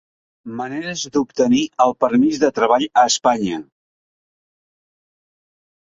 Maneres d'obtenir el permís de treball a Espanya.